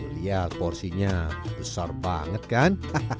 lihat porsinya besar banget kan